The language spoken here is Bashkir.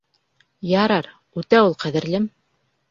—Ярар, үтә ул ҡәҙерлем